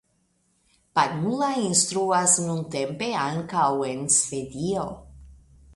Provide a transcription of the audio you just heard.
Panula instruas nuntempe ankaŭ en Svedio.